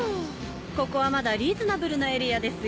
ここはまだリーズナブルなエリアですよ。